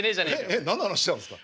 えっ何の話してたんですか？